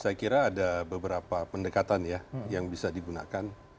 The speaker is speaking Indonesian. saya kira ada beberapa pendekatan ya yang bisa digunakan